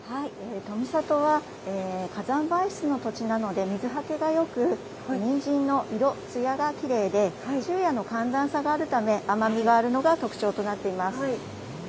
富里は火山灰質の土地なので水はけがよく、にんじんの色、つやがきれいで昼夜の寒暖差があるため甘みがあるのが特徴となっています。